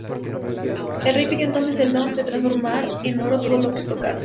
El rey pidió entonces el don de transformar en oro todo lo que tocase.